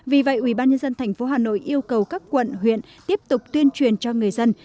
vì vậy ubnd tp hà nội yêu cầu các quận huyện tiếp tục tuyên truyền cho người dân